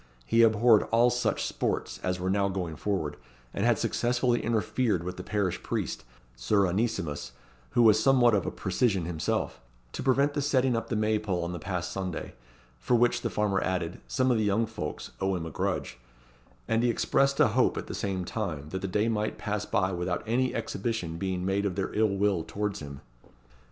He abhorred all such sports as were now going forward; and had successfully interfered with the parish priest, Sir Onesimus, who was somewhat of a precisian himself, to prevent the setting up the May pole on the past Sunday, for which, the farmer added, some of the young folks owe him a grudge; and he expressed a hope, at the same time, that the day might pass by without any exhibition being made of their ill will towards him.